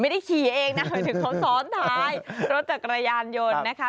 ไม่ได้ขี่เองนะหมายถึงเขาซ้อนท้ายรถจักรยานยนต์นะคะ